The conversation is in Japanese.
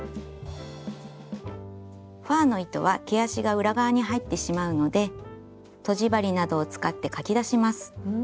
ファーの糸は毛足が裏側に入ってしまうのでとじ針などを使ってかき出します。